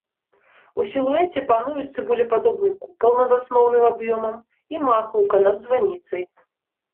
У сілуэце пануюць цыбулепадобны купал над асноўным аб'ёмам і макаўка над званіцай.